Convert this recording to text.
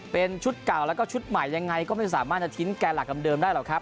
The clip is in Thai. เป็นชุดเก่าแล้วก็ชุดใหม่ยังไงก็ไม่สามารถจะทิ้งแก่หลักเดิมได้หรอกครับ